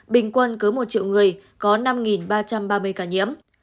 bình quân cứ một triệu người có năm ba trăm ba mươi ca nhiễm